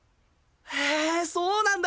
へえそうなんだ！